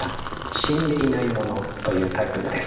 「死んでいない者」というタイトルです。